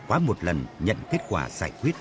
quá một lần nhận kết quả giải quyết